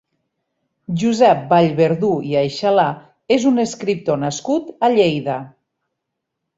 Josep Vallverdú i Aixalà és un escriptor nascut a Lleida.